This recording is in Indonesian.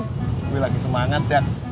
gue lagi semangat jack